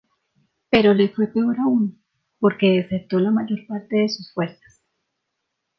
Pero le fue peor aún, porque desertó la mayor parte de sus fuerzas.